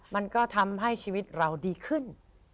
มันก็ทำให้ชีวิตเราดีขึ้น